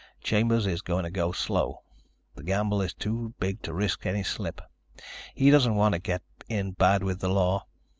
Chambers is going to go slow. The gamble is too big to risk any slip. He doesn't want to get in bad with the law.